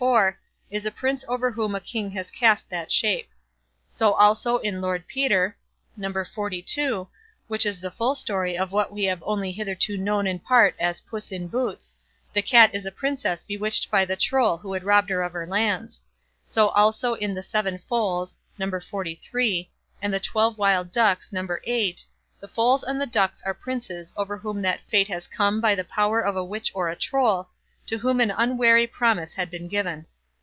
xliv, is a Prince over whom a king has cast that shape. So also in "Lord Peter", No. xlii, which is the full story of what we have only hitherto known in part as "Puss in Boots", the cat is a princess bewitched by the Troll who had robbed her of her lands; so also in "The Seven Foals", No. xliii, and "The Twelve Wild Ducks", No. viii, the Foals and the Ducks are Princes over whom that fate has come by the power of a witch or a Troll, to whom an unwary promise had been given.